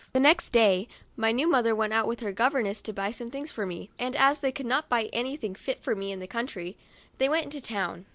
The next day my new mother went out with her governess to buy some things for me, and as they could not buy any thing fit for me in the country, they went into town.